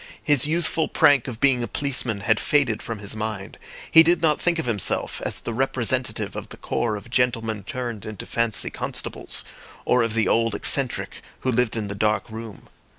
His youthful prank of being a policeman had faded from his mind; he did not think of himself as the representative of the corps of gentlemen turned into fancy constables, or of the old eccentric who lived in the dark room.